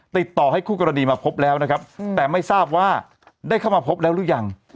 ติดต่อให้คู่กรณีมาพบแล้วนะครับแต่ไม่ทราบว่าได้เข้ามาพบแล้วหรือยัง